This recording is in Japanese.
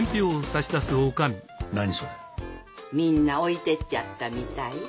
みんな置いてっちゃったみたい。